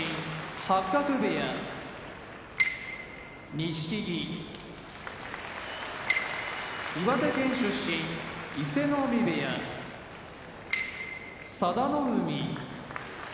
錦木岩手県出身伊勢ノ海部屋佐田の海